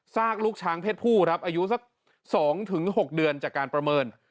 กลูกช้างเพศผู้ครับอายุสัก๒๖เดือนจากการประเมิน